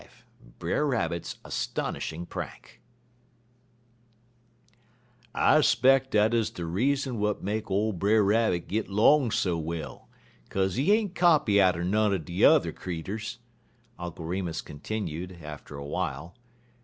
V BRER RABBIT'S ASTONISHING PRANK "I 'speck dat 'uz de reas'n w'at make ole Brer Rabbit git 'long so well, kaze he ain't copy atter none er de yuther creeturs," Uncle Remus continued, after a while.